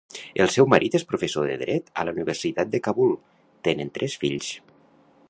El seu marit és professor de dret a la Universitat de Kabul; tenen tres fills.